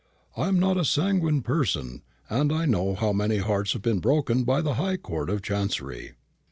I am not a sanguine person, and I know how many hearts have been broken by the High Court of Chancery.